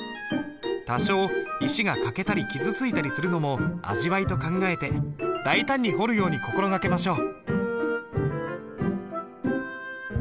多少石が欠けたり傷ついたりするのも味わいと考えて大胆に彫るように心がけましょう。